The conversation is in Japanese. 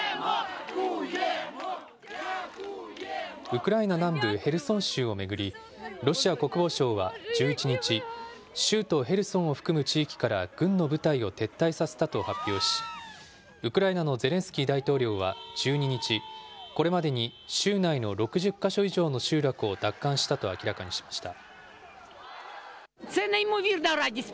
ウクライナ南部ヘルソン州を巡り、ロシア国防省は１１日、州都ヘルソンを含む地域から軍の部隊を撤退させたと発表し、ウクライナのゼレンスキー大統領は１２日、これまでに州内の６０か所以上の集落を奪還したと明らかにしました。